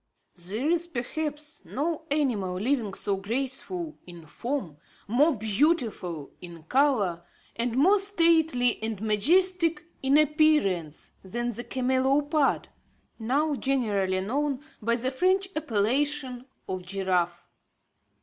There is perhaps no animal living so graceful in form, more beautiful in colour, and more stately and majestic in appearance than the camelopard, now generally known by the French appellation of giraffe.